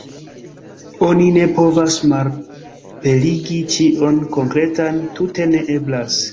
Oni ne povas malaperigi ĉion konkretan, tute ne eblas.